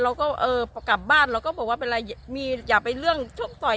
เออพอกลับบ้านเราก็บอกว่าเป็นไรมีอย่าไปเรื่องชกต่อย